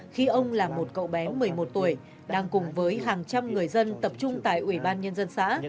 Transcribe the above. khi ông là một cậu bé một mươi một tuổi đang cùng với hàng trăm người dân tập trung tại ủy ban nhân dân xã